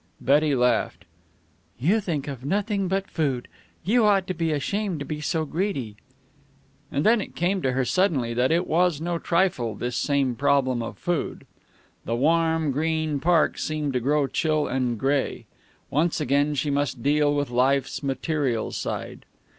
Betty laughed. "You think of nothing but food. You ought to be ashamed to be so greedy." And then it came to her suddenly that it was no trifle, this same problem of food. The warm, green park seemed to grow chill and gray. Once again she must deal with life's material side.